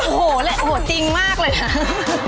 โอ้โฮเลยโอ้โฮจริงมากเลยนะ